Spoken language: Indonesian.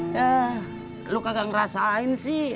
yah lu kagak ngerasain sih